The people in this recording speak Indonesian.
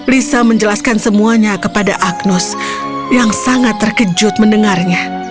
lisa menjelaskan semuanya kepada agnus yang sangat terkejut mendengarnya